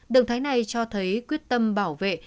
đường thái này cho thấy quyết tâm bảo vệ